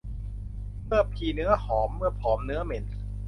เมื่อพีเนื้อหอม เมื่อผอมเนื้อเหม็น